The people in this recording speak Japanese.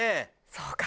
そうか！